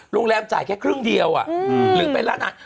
โรงแรมจ่ายแค่ครึ่งเดียวอ่ะ